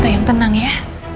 tante yang tenang ya